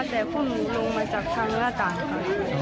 แต่พวกหนูลงมาจากทางหน้าต่างค่ะ